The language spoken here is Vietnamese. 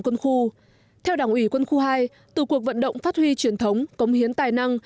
quân khu theo đảng ủy quân khu hai từ cuộc vận động phát huy truyền thống cống hiến tài năng